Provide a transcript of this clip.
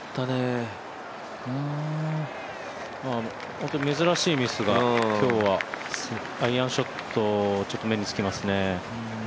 本当に珍しいミスが、アイアンショットは目につきますね。